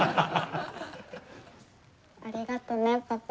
ありがとねパパ。